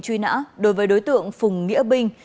truy nã đối với đối tượng phùng nghĩa binh